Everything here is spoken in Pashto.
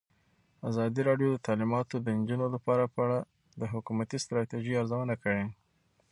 ازادي راډیو د تعلیمات د نجونو لپاره په اړه د حکومتي ستراتیژۍ ارزونه کړې.